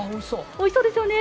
おいしそうですよね。